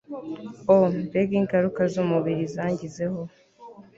o mbega ingaruka z'umubiri zangizeho